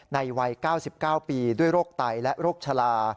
วัย๙๙ปีด้วยโรคไตและโรคชะลา